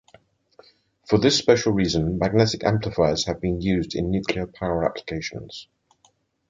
For this special reason magnetic amplifiers have been used in nuclear power applications.